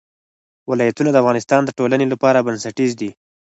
ولایتونه د افغانستان د ټولنې لپاره بنسټیز دي.